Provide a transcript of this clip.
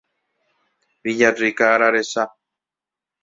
Villarrica ararecha.